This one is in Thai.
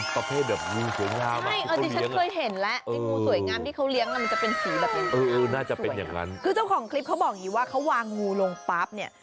คือเจ้าของคลิปเขาบอกว่าวางงูลงปั๊บเนี่ย